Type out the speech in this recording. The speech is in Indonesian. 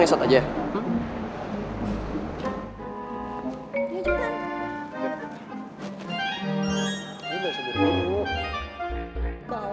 gue juga tau harus pelan pelan